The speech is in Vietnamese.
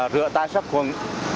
rửa tay sắp khuẩn